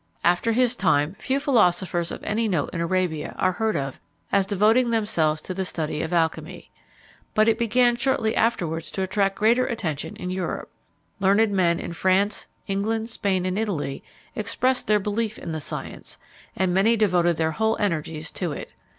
After his time few philosophers of any note in Arabia are heard of as devoting themselves to the study of alchymy; but it began shortly afterwards to attract greater attention in Europe. Learned men in France, England, Spain, and Italy, expressed their belief in the science, and many devoted their whole energies to it.